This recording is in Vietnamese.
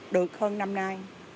được hơn năm nay